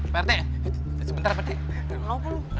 perte sebentar perte